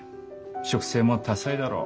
植生も多彩だろう。